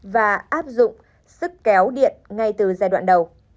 và áp dụng sức kéo điện ngay từ giai đoạn đầu